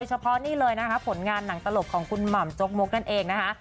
เฉพาะนี่เลยนะคะผลงานหนังตลกของคุณหม่ำจกมกนั่นเองนะคะ